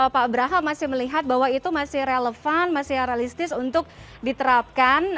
pak abraham masih melihat bahwa itu masih relevan masih realistis untuk diterapkan